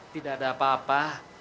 tidak ada apa apa